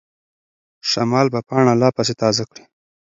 شمال به پاڼه لا پسې تازه کړي.